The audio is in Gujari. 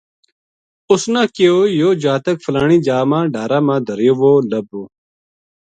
اُس نا کہیو یوہ جاتک فلانی جا ما ڈھارا ما دھریو وو لَبھو